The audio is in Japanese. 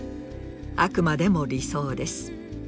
あくまでも理想です。